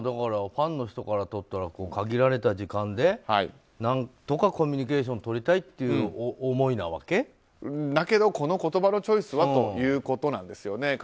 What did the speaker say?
ファンの人からしたら限られた時間で何とかコミュニケーションとりたいという思いなわけ？だけどこの言葉のチョイスはということなんですよね。